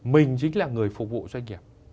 mình chính là người phục vụ doanh nghiệp